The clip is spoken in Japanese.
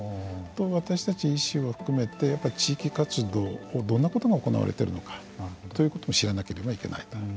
私たち医師を含めてやっぱり地域活動をどんなことが行われているのかということも知らなければいけないと。